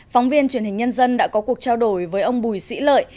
phóng viên truyền hình nhân dân đã có cuộc trao đổi với ông bùi sĩ lợi